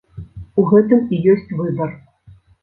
У гэтым і ёсць выбар.